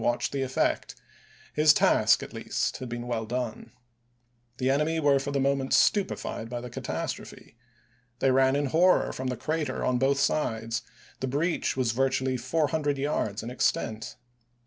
PIRlports* watched the effect ; his task, at least, had been well on conduct d°ne The enemy were for the moment stupefied ofit8^tS.ar' by the catastrophe. They ran in horror from the ppPii7,Tii8. crater on both sides; the breach was virtually four hundred yards in extent.